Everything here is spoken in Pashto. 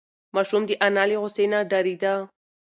ماشوم د انا له غوسې نه ډارېده.